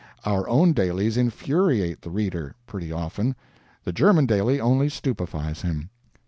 Our own dailies infuriate the reader, pretty often; the German daily only stupefies him.